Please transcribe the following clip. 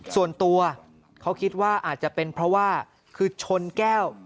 ส่วนตัวเขาคิดว่าอาจจะเป็นเพราะว่าคือชนแก้ว